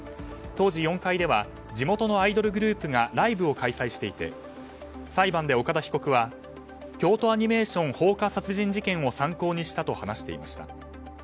当時、４階では地元のアイドルグループがライブを開催していて裁判で岡田被告は京都アニメーション放火殺人事件を参考にしたと話していました。